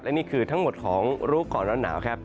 นี่คือทั้งหมดของรู้ก่อนร้อนหนาวครับ